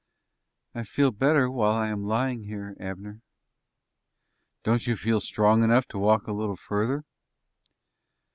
"I feel better while I am lying here, Abner." "Don't you feel strong enough to walk a little further?"